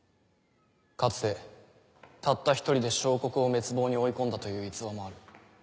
かつてたった１人で小国を滅亡に追い込んだという逸話もある。